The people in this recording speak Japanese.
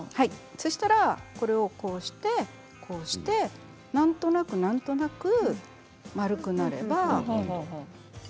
そうしたらこれをなんとなくなんとなく丸くなればＯＫ。